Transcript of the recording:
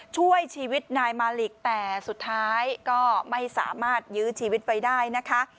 ช่วยชีวิตนายมาลิกแต่สุดท้ายก็ไม่สามารถยื้อชีวิตไว้ได้นะคะ